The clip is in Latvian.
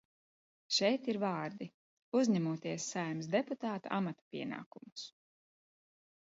"Šeit ir vārdi "uzņemoties Saeimas deputāta amata pienākumus"."